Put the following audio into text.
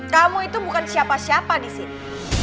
kamu itu bukan siapa siapa di sini